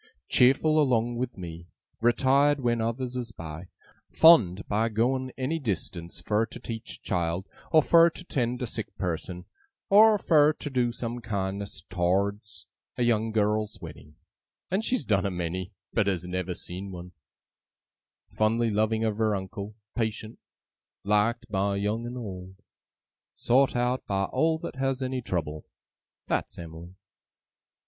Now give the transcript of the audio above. Cheerful along with me; retired when others is by; fond of going any distance fur to teach a child, or fur to tend a sick person, or fur to do some kindness tow'rds a young girl's wedding (and she's done a many, but has never seen one); fondly loving of her uncle; patient; liked by young and old; sowt out by all that has any trouble. That's Em'ly!